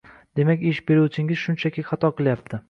Demak, ish beruvchingiz shunchaki xato qilyapti.